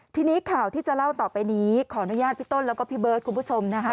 ทีนี้ข่าวที่จะเล่าต่อไปนี้ขออนุญาตพี่ต้นแล้วก็พี่เบิร์ดคุณผู้ชมนะคะ